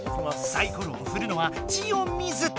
サイコロをふるのはジオ水田。